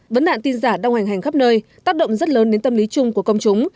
vấn đạn tin giả đong hành hành khắp nơi tác động rất lớn đến tâm lý chung của công chúng